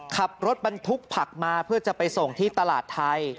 ขับรถบรรทุกผักมาเพื่อจะไปส่งที่ตลาดไทย